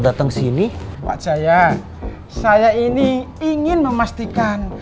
jangan jangan jangan